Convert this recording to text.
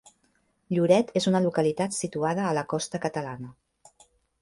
Lloret és una localitat situada a la costa catalana.